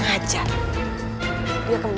masalah saya hati hati